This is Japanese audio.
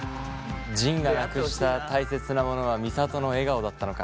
仁がなくしたたいせつなものは美里の笑顔だったのか。